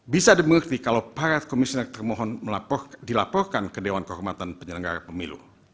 bisa dimengerti kalau para komisioner termohon dilaporkan ke dewan kehormatan penyelenggara pemilu